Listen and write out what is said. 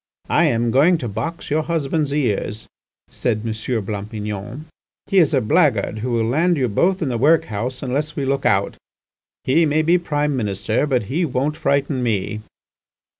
"I am going to box your husband's ears," said M. Blampignon; "he is a blackguard who will land you both in the workhouse unless we look out. He may be Prime Minister, but he won't frighten me."